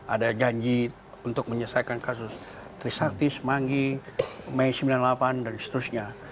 ada janji untuk menyelesaikan kasus trisakti semanggi mei sembilan puluh delapan dan seterusnya